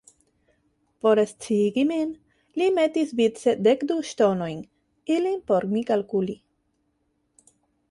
Por sciigi min, li metis vice dekdu ŝtonojn, ilin por mi kalkuli.